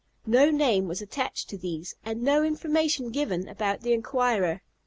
No name was attached to these, and no information given about the inquirer.